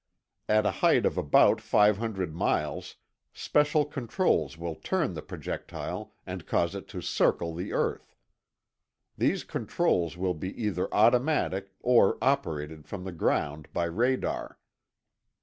At a height of about 500 miles, special controls will turn the projectile and cause it to circle the earth. These controls will be either automatic or operated from the ground, by radar.